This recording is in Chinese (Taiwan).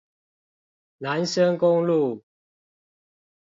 南深公路